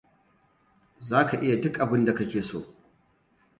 Za ka iya duk abin da ka ke so.